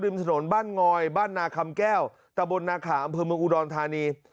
ถนนบ้านงอยบ้านนาคำแก้วตะบนนาขาอำเภอเมืองอุดรธานี